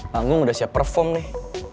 panggung udah siap perform nih